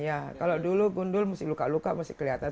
iya kalau dulu gundul mesti luka luka mesti kelihatan